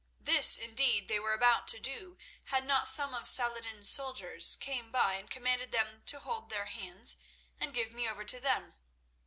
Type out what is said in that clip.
This, indeed, they were about to do, had not some of Saladin's soldiers come by and commanded them to hold their hands and give me over to them.